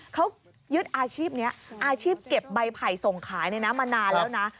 เขายึดอาชีพนี้อาชีพเก็บใบไผ่ส่งขายมานานแล้วนะ